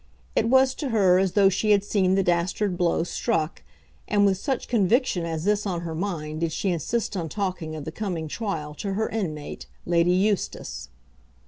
It was to her as though she had seen the dastard blow struck, and with such conviction as this on her mind did she insist on talking of the coming trial to her inmate, Lady Eustace.